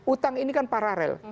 utang ini kan paralel